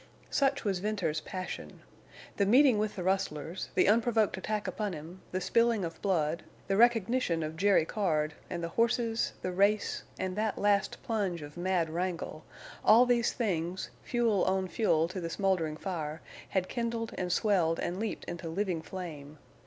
Such was Venters's passion. The meeting with the rustlers, the unprovoked attack upon him, the spilling of blood, the recognition of Jerry Card and the horses, the race, and that last plunge of mad Wrangle—all these things, fuel on fuel to the smoldering fire, had kindled and swelled and leaped into living flame.